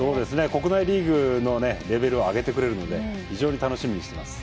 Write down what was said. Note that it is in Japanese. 国内リーグのレベルを上げてくれるので非常に楽しみにしてます。